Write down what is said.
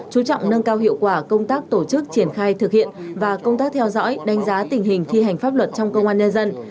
chú trọng nâng cao hiệu quả công tác tổ chức triển khai thực hiện và công tác theo dõi đánh giá tình hình thi hành pháp luật trong công an nhân dân